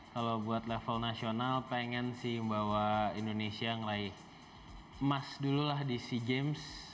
kalau buat level nasional pengen sih bawa indonesia ngelai emas dululah di sea games